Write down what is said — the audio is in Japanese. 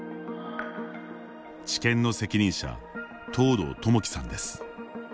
治験の責任者藤堂具紀さんです。